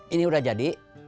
ini udah jadi